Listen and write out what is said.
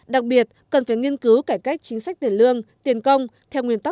đặc biệt cần phải nghiên cứu cải cách chính sách tiền lương tiền công theo nguyên tắc